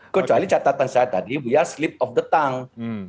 kecuali catatan saya tadi buya sleep off the tongue